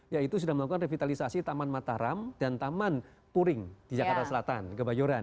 yaitu sudah melakukan revitalisasi taman mataram dan taman puring di jakarta selatan kebayoran